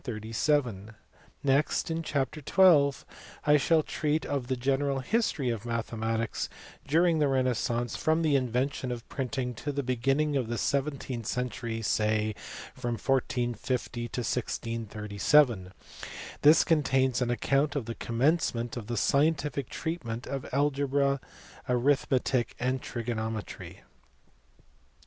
Next, in chapter XIL, I shall treat of the general history of mathematics during the renaissance, from the invention of printing to the beginning of the seventeenth century, say, from 1450 to 1637; this contains an account of the commencement of the scientific treatment of arithmetic, algebra, and trigonometry.